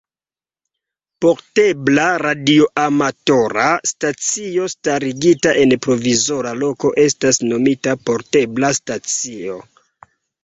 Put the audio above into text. Portebla radioamatora stacio starigita en provizora loko estas nomita portebla stacio.